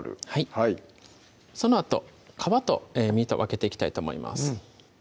はいそのあと皮と身と分けていきたいと思います